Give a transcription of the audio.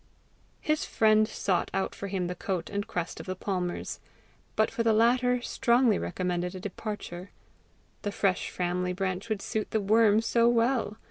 His friend sought out for him the coat and crest of the Palmers; but for the latter, strongly recommended a departure: the fresh family branch would suit the worm so well!